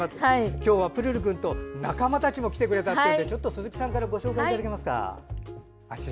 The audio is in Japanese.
今日はプルルくんと仲間たちも来てくれたのでちょっと鈴木さんからご紹介いただけますか。